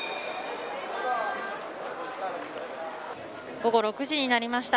午後６時になりました。